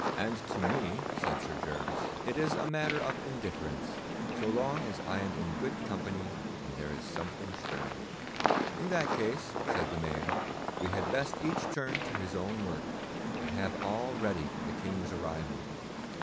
'And to me,' said Sir Gervas, 'it is a matter of indifference, so long as I am in good company and there is something stirring.' 'In that case,' said the Mayor, 'we had best each turn to his own work, and have all ready for the King's arrival.